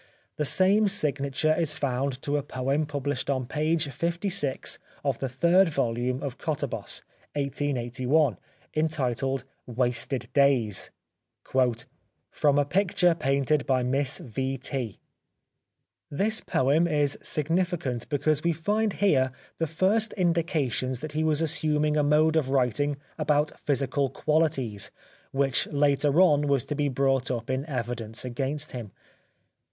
The same signature is found to a poem published on page 56 of the third volume of Kottahos (1881), 141 The Life of Oscar Wilde entitled " Wasted Days "(" From a Picture Painted by Miss V. T."). This poem is signi ficant, because we find here the first indications that he was assuming a mode of writing about physical qualities which later on was to be brought up in evidence against him.